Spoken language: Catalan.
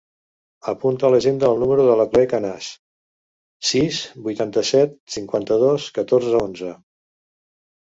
Apunta a l'agenda el número de la Cloè Canas: sis, vuitanta-set, cinquanta-dos, catorze, onze.